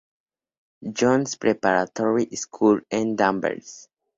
John's Preparatory School" en Danvers.